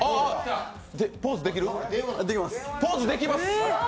ポーズできる？できます！